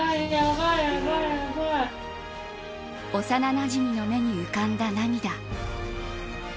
幼なじみの目に浮かんだ涙。